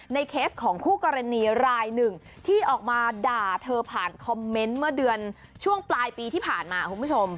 เคสของคู่กรณีรายหนึ่งที่ออกมาด่าเธอผ่านคอมเมนต์เมื่อเดือนช่วงปลายปีที่ผ่านมาคุณผู้ชม